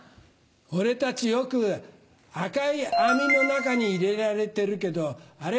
俺たちよく赤い網の中に入れられてるけどあれ